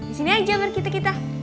di sini aja berkita kita